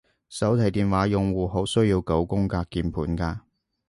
手提電話用戶好需要九宮格鍵盤㗎